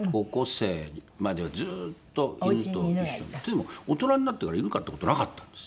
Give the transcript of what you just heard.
でも大人になってから犬飼った事なかったんです。